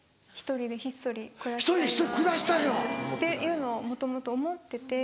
１人でひっそり暮らしたいの？っていうのをもともと思ってて。